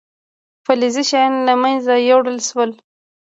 فلزي شیان له منځه یوړل شول.